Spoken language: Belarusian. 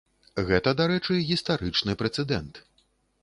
Гэта, дарэчы, гістарычны прэцэдэнт.